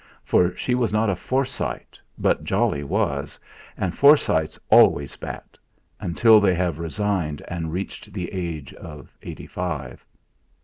For she was not a Forsyte, but Jolly was and Forsytes always bat, until they have resigned and reached the age of eighty five.